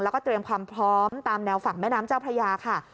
แล้วก็เตรียมความพร้อมตามแนวฝั่งแม่น้ำเจ้าพระยาค่ะ